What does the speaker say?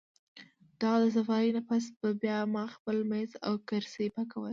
د هغه د صفائي نه پس به بیا ما خپل مېز او کرسۍ پاکول